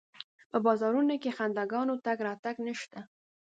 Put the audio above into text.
په بازارونو کې د خنداګانو تګ راتګ نشته